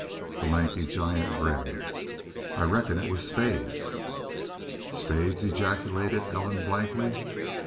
The lanky giant grinned. "I reckon it was Spades." "Spades?" ejaculated Ellen, blankly.